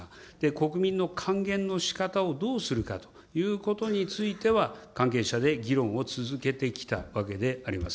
国民の還元のしかたをどうするかということについては、関係者で議論を続けてきたわけであります。